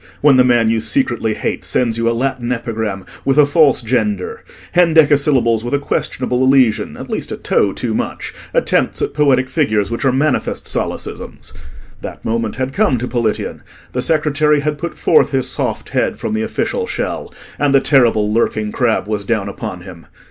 when the man you secretly hate sends you a Latin epigram with a false gender—hendecasyllables with a questionable elision, at least a toe too much—attempts at poetic figures which are manifest solecisms. That moment had come to Politian: the secretary had put forth his soft head from the official shell, and the terrible lurking crab was down upon him.